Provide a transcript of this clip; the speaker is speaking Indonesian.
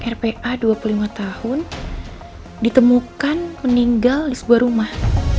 rpa dua puluh lima tahun ditemukan meninggal di sebuah rumah